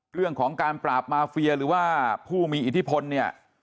เรื่องของการปราบมาเฟียหรือว่าผู้มีอิทธิพลเนี่ย